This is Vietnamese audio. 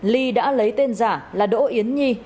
ly đã lấy tên giả là đỗ yến nhi